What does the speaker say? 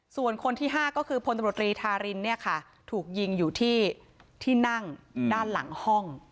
ส่วนคนที่ห้าก็คือพลตรีทารินถูกยิงอยู่ที่ที่นั่งด้านหลังห้อง